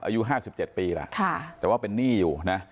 อายุห้าสิบเจ็ดปีละค่ะแต่ว่าเป็นหนี้อยู่นะ